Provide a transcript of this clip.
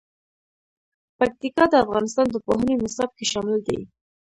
پکتیکا د افغانستان د پوهنې نصاب کې شامل دي.